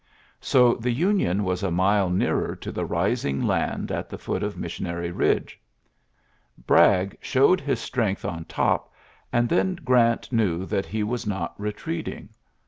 So the Union was a mile nearer to the rising land at the foot of Missionary Bidge. Bragg showed his strength on top, and then Grant knew that he was not retreating.